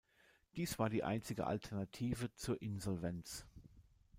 Dies war die einzige Alternative zur Insolvenz.